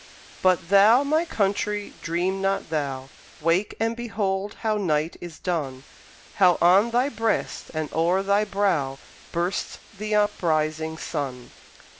But thou, my country, dream not thou! Wake, and behold how night is done, How on thy breast, and o'er thy brow, Bursts the uprising sun!